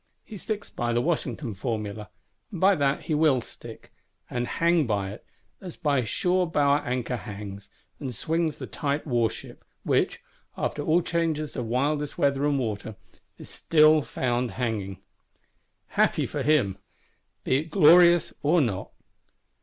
He sticks by the Washington formula; and by that he will stick;—and hang by it, as by sure bower anchor hangs and swings the tight war ship, which, after all changes of wildest weather and water, is found still hanging. Happy for him; be it glorious or not!